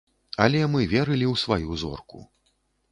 Але мы верылі ў сваю зорку.